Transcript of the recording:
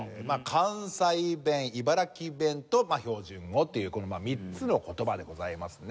関西弁茨城弁とまあ標準語というこの３つの言葉でございますね。